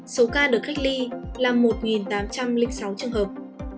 số ca được cách ly là một tám trăm linh sáu trường hợp